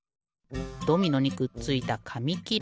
ドミノにくっついたかみきれ。